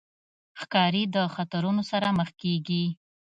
ښکاري د خطرونو سره مخ کېږي.